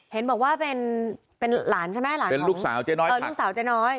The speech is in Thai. เห็นบอกว่าเป็นเป็นหลานใช่ไหมหลานเป็นลูกสาวเจ๊น้อยเออลูกสาวเจ๊น้อย